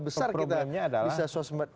besar kita bisa suat sembeda